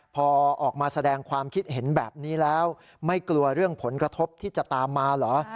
พอออกมาแสดงความคิดเห็นแบบนี้แล้วไม่กลัวเรื่องผลกระทบที่จะตามมาเหรอ